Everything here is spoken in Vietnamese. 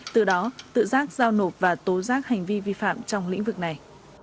từ đó tự giác giao nộp và tố giác hành vi vi phạm trong lĩnh vực này